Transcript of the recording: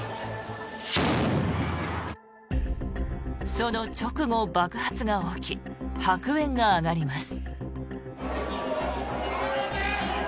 その直後、爆発が起き白煙が上がります。